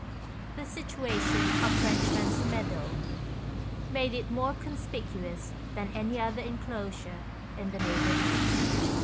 The situation of "Frenchman's Meadow" made it more conspicuous than any other en closure in the neighbourhood.